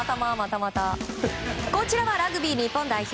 こちらはラグビー日本代表。